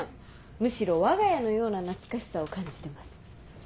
むしろわが家のような懐かしさを感じてます。